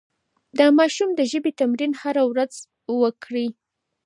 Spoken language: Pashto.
د ماشوم د ژبې تمرين هره ورځ وکړئ.